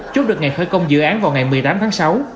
chốt được ngày khởi công dự án vào ngày một mươi tám tháng sáu